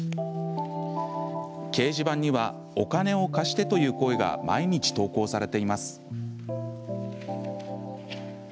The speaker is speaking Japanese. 掲示板には「お金を貸して」という声が毎日投稿されています。